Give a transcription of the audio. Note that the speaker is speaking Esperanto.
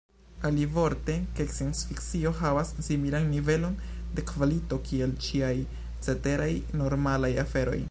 Alivorte, ke sciencfikcio havas similan nivelon de kvalito kiel ĉiaj ceteraj, “normalaj” aferoj.